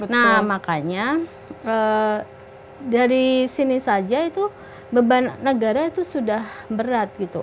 nah makanya dari sini saja itu beban negara itu sudah berat gitu